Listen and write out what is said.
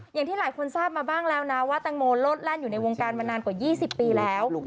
อย่างที่หลายคนทราบมาบ้างแล้วนะว่าแตงโมโลดแล่นอยู่ในวงการมานานกว่า๒๐ปีแล้ว